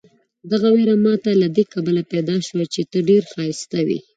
دغه وېره ماته له دې کبله پیدا شوه چې ته ډېر ښایسته وې.